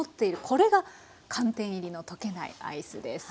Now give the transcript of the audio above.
これが寒天入りの溶けないアイスです。